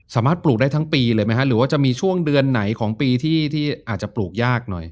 ปลูกได้ทั้งปีเลยไหมฮะหรือว่าจะมีช่วงเดือนไหนของปีที่อาจจะปลูกยากหน่อย